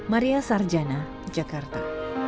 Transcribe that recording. maria sarjana jakarta